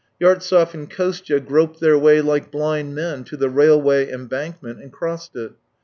Yartsev and Kostya groped their way like blind men to the railway embankment and crossed it.